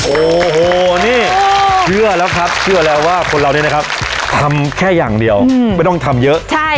โอ้โหนี่เชื่อแล้วครับเชื่อแล้วว่าคนเรานี่นะครับทำแค่อย่างเดียวไม่ต้องทำเยอะ